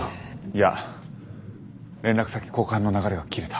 いや連絡先交換の流れが切れた。